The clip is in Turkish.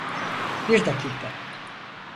Bir dakika.